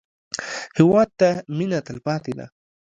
هېواد ته مېنه تلپاتې ده